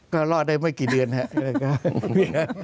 ก็รอดได้ไม่กี่เดือนครับ